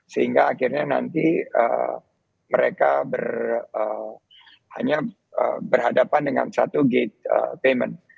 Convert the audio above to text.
sehingga akhirnya nanti mereka hanya berhadapan dengan satu gate payment